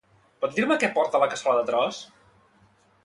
Pots dir-me què porta la cassola de tros?